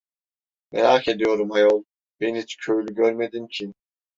Merak ediyorum ayol, ben hiç köylü görmedim ki!